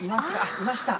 いました。